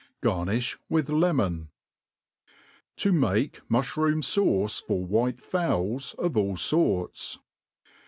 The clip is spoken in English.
Garnifl^ with lemon. To make Mujhroom fauce for white Fowls of all Sorts.